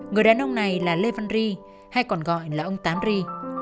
người đàn ông này là lê văn ri hay còn gọi là ông tám ri